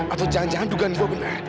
atau jangan jangan dugaan bahwa benar